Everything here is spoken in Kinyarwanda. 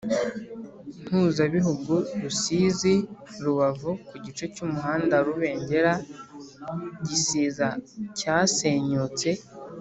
mpuzabihugu Rusizi Rubavu ku gice cy umuhanda wa Rubengera Gisiza cyasenyutse